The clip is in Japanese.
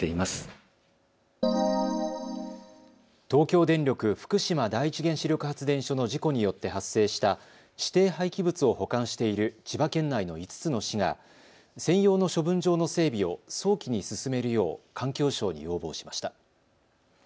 東京電力福島第一原子力発電所の事故によって発生した指定廃棄物を保管している千葉県内の５つの市が専用の処分場の整備を早期に進めるよう環境省に要望しました。